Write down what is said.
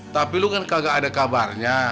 tapi lu kan kagak ada kabarnya